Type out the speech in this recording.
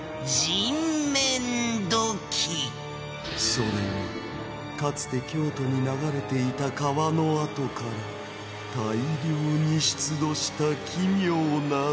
それはかつて京都に流れていた川の跡から大量に出土した奇妙な土器